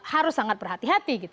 harus sangat berhati hati